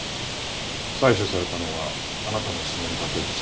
採取されたのはあなたの指紋だけでした。